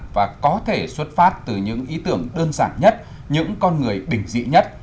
và có thể xuất phát từ những ý tưởng đơn giản nhất những con người bình dị nhất